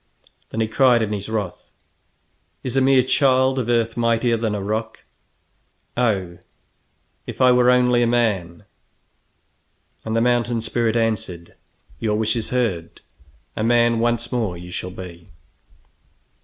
Then he cried in his wrath: "Is a mere child of earth mightier than a rock? Oh, if I were only a man!" And the mountain spirit answered: "Your wish is heard. A man once more you shall be!"